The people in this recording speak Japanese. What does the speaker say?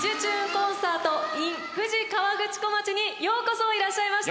コンサートｉｎ富士河口湖町」にようこそいらっしゃいました。